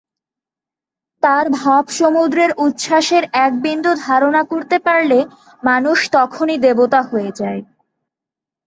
তাঁর ভাবসমুদ্রের উচ্ছ্বাসের একবিন্দু ধারণা করতে পারলে মানুষ তখনি দেবতা হয়ে যায়।